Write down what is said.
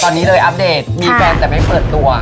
ตอนนี้เลยอัปเดตมีแฟนแต่ไม่เปิดตัว